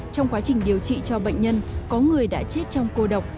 trong quá trình điều trị cho bệnh nhân có người đã chết trong cô độc